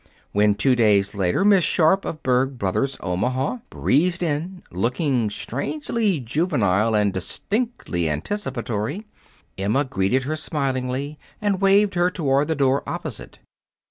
When, two days later, Miss Sharp, of Berg Brothers, Omaha, breezed in, looking strangely juvenile and distinctly anticipatory, Emma greeted her smilingly and waved her toward the door opposite.